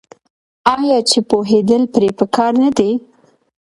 آیا چې پوهیدل پرې پکار نه دي؟